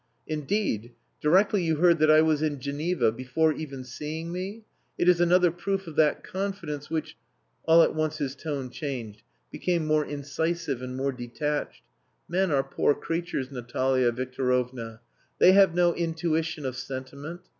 "Indeed! Directly you heard that I was in Geneva, before even seeing me? It is another proof of that confidence which...." All at once his tone changed, became more incisive and more detached. "Men are poor creatures, Natalia Victorovna. They have no intuition of sentiment.